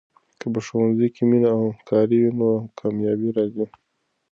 که په ښوونځي کې مینه او همکاري وي، نو کامیابي راځي.